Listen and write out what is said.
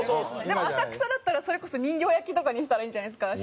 でも浅草だったらそれこそ人形焼きとかにしたらいいんじゃないですか？